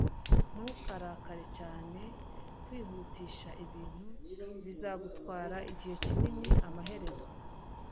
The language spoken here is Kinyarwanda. Ntukarakare cyane. Kwihutisha ibintu bizagutwara igihe kinini amaherezo